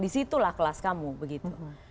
disitulah kelas kamu begitu